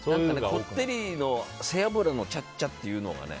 こってりの背脂のちゃっちゃっていうのがね